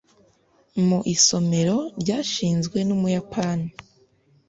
Mu isomero ryashinzwe n’Umuyapani